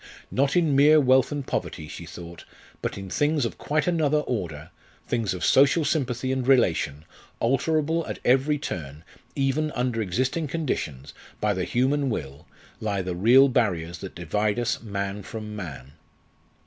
Not in mere wealth and poverty, she thought, but in things of quite another order things of social sympathy and relation alterable at every turn, even under existing conditions, by the human will, lie the real barriers that divide us man from man.